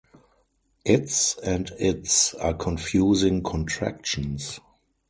It's and its' are confusing contractions.